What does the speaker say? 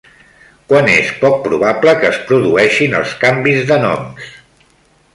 Quan és poc probable que es produeixin els canvis de noms?